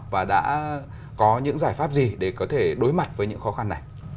và đã có những giải pháp gì để có thể đối mặt với những khó khăn này